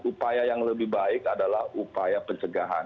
upaya yang lebih baik adalah upaya pencegahan